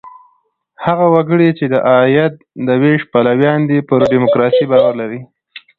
هغه وګړي، چې د عاید د وېش پلویان دي، پر ډیموکراسۍ باور لري.